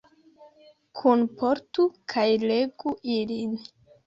Kunportu kaj legu ilin.